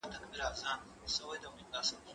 که وخت وي، انځورونه رسم کوم؟